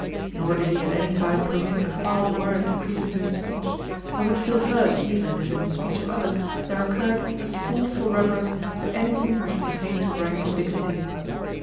Nor did he at any time permit a foul word to creep into his speech, and would feel hurt even if in the speech of others there occurred a scornful reference to anything which pertained to rank and dignity.